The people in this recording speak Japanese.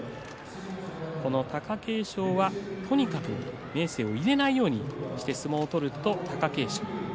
この貴景勝はとにかく明生を入れないように相撲を取る貴景勝。